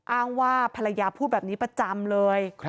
อ้างว่าภรรยาพูดแบบนี้ประจำเลย